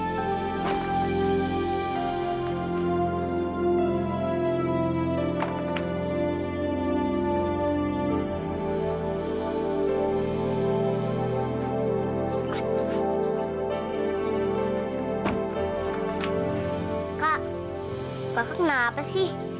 kak kakak kenapa sih